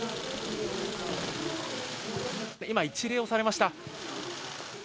今、一礼をされました。